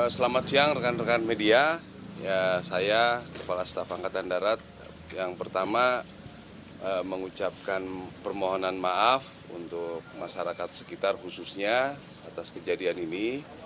selamat siang rekan rekan media saya kepala staf angkatan darat yang pertama mengucapkan permohonan maaf untuk masyarakat sekitar khususnya atas kejadian ini